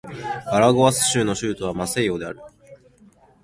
アラゴアス州の州都はマセイオである